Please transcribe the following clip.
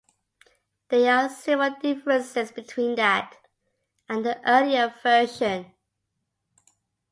There are several differences between that and the earlier version.